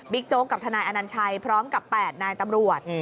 โจ๊กกับทนายอนัญชัยพร้อมกับ๘นายตำรวจ